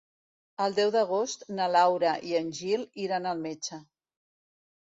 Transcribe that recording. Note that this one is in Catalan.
El deu d'agost na Laura i en Gil iran al metge.